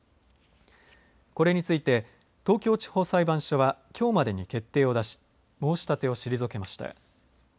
これについて東京地方裁判所はきょうまでに決定を出し申し立てを退けました。